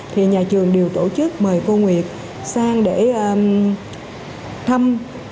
thì nhà trường đều tổ chức mời cô nguyệt sang để thăm